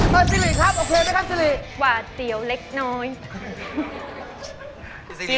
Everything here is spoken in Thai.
เฮ้ซิริครับโอเคไหมครับซิริ